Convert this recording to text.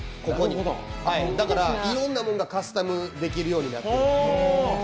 だから、いろいろなものがカスタムできるようになってる。